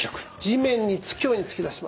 地面につくように突き出します。